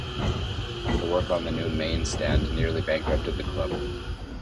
The work on the new Main Stand nearly bankrupted the club.